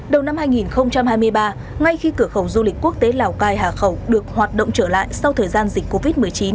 đầu năm hai nghìn hai mươi ba ngay khi cửa khẩu du lịch quốc tế lào cai hà khẩu được hoạt động trở lại sau thời gian dịch covid một mươi chín